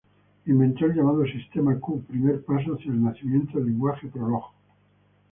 Inventó el llamado sistema Q, primer paso hacia el nacimiento del lenguaje Prolog.